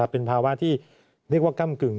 เป็นภาวะที่เรียกว่าก้ำกึ่ง